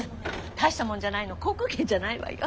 大したものじゃないの航空券じゃないわよ。